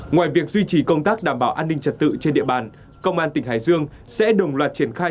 ngoài việc duy trì công tác đảm bảo an ninh trật tự trên địa bàn công an tỉnh hải dương sẽ đồng loạt triển khai